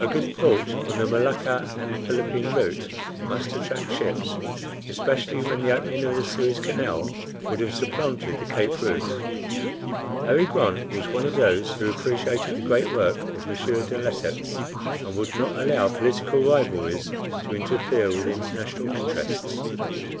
A good port on the Molucca and Philippine route must attract ships, especially when the opening of the Suez Canal would have supplanted the Cape route. Harry Grant was one of those who appreciated the great work of M. De Lesseps, and would not allow political rivalries to interfere with international interests.